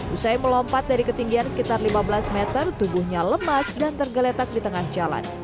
usai melompat dari ketinggian sekitar lima belas meter tubuhnya lemas dan tergeletak di tengah jalan